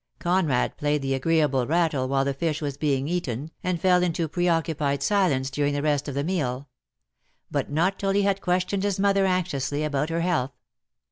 Conrad played the agreeable rattle while the fish was being eaten, and fell into preoccupied silence during the rest of the meal; but not till he had questioned his mother anxiously about her health.